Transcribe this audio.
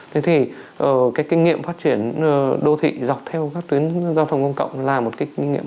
thế thì cái kinh nghiệm phát triển đô thị dọc theo các tuyến giao thông công cộng là một cái kinh nghiệm